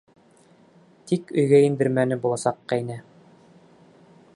Тик өйгә индермәне буласаҡ ҡәйнә.